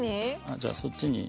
じゃあそっちに。